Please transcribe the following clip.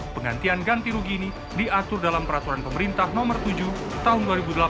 penggantian ganti rugi ini diatur dalam peraturan pemerintah nomor tujuh tahun dua ribu delapan belas